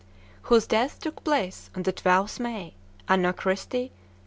] whose death took place on the 12th May, Anno Christi 1863.